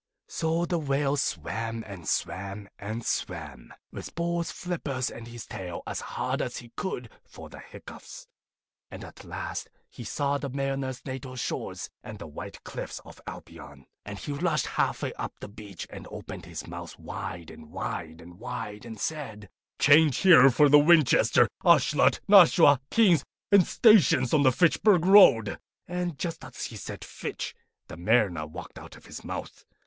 So the Whale swam and swam and swam, with both flippers and his tail, as hard as he could for the hiccoughs; and at last he saw the Mariner's natal shore and the white cliffs of Albion, and he rushed half way up the beach, and opened his mouth wide and wide and wide, and said, 'Change here for Winchester, Ashuelot, Nashua, Keene, and stations on the _Fitch_burg Road;' and just as he said 'Fitch' the Mariner walked out of his mouth.